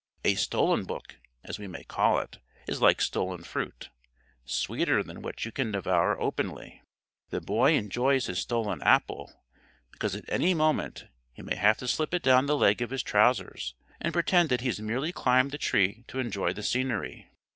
A stolen book (as we may call it) is like stolen fruit, sweeter than what you can devour openly. The boy enjoys his stolen apple because at any moment he may have to slip it down the leg of his trousers and pretend that he has merely climbed the tree to enjoy the scenery.